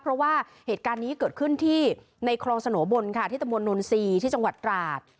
เพราะว่าเหตุการณ์นี้เกิดขึ้นที่ในคลองสโนบนค่ะที่ตะมนตนนทรีย์ที่จังหวัดตราด